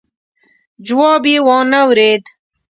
جواب يې وانه ورېد.